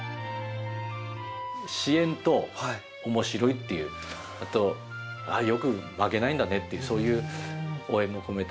支援と面白い！っていうあとよく負けないんだねっていうそういう応援も込めてね。